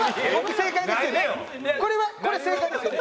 これはこれ正解ですよね？